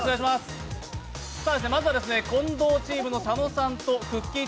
まずは近藤チームの佐野さんとくっきー！